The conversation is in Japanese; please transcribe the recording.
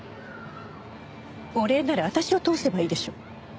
お礼なら私を通せばいいでしょう。